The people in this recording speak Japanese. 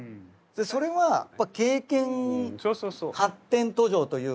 それは経験発展途上というか。